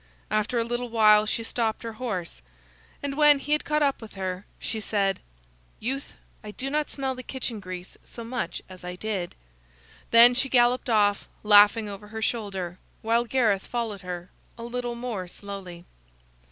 After a little while she stopped her horse, and when he had caught up with her, she said: "Youth, I do not smell the kitchen grease so much as I did." Then she galloped off, laughing over her shoulder, while Gareth followed her, a little more slowly.